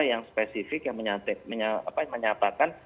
yang spesifik yang menyatakan